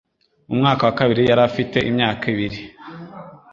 Mu mwaka wa bibiri yari afite imyaka ibiri